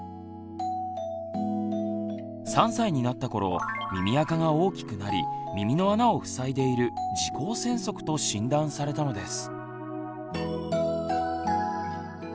３歳になったころ耳あかが大きくなり耳の穴をふさいでいる「耳垢栓塞」と診断されたのです。